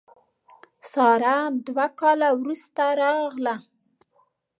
ساره دوه کاله وروسته راغله.